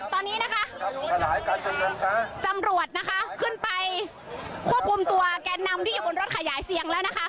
ตอนนี้นะคะตำรวจนะคะขึ้นไปควบคุมตัวแกนนำที่อยู่บนรถขยายเสียงแล้วนะคะ